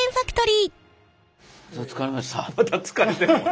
まだ疲れてるもん。